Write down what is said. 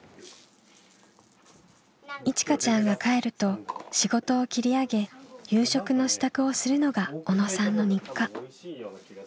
いちかちゃんが帰ると仕事を切り上げ夕食の支度をするのが小野さんの日課。